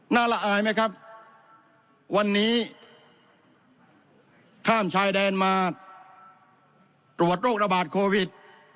ละอายไหมครับวันนี้ข้ามชายแดนมาตรวจโรคระบาดโควิด